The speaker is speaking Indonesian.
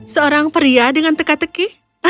seorang pria dengan teka teki